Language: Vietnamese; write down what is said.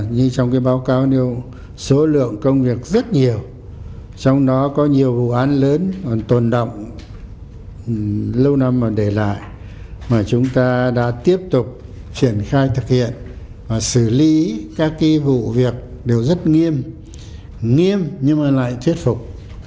như trong báo cáo số lượng công việc rất nhiều trong đó có nhiều vụ án lớn tồn động lâu năm mà để lại mà chúng ta đã tiếp tục triển khai thực hiện và xử lý các vụ việc đều rất nghiêm nghiêm nhưng lại thuyết phục